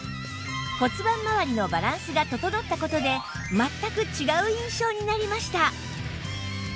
骨盤まわりのバランスが整った事で全く違う印象になりました